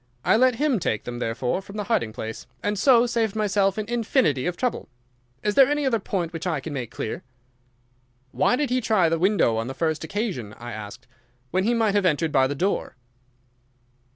I let him take them, therefore, from the hiding place, and so saved myself an infinity of trouble. Is there any other point which I can make clear?" "Why did he try the window on the first occasion," I asked, "when he might have entered by the door?"